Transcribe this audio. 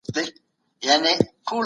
که پانګه راکده سي اقتصاد به خراب سي.